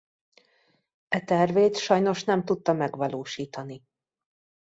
E tervét sajnos nem tudta megvalósítani.